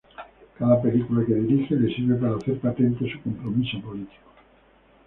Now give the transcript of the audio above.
Cada película que dirige le sirve para hacer patente su compromiso político.